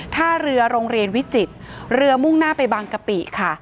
ท่าเรือโรงเรียนวิจิตรเรือมุ่งหน้าไปบางกะปิค่ะ